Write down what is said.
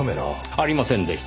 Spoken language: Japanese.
ありませんでした。